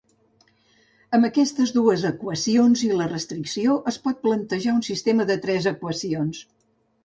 Amb aquestes dues equacions i la restricció es pot plantejar un sistema de tres equacions.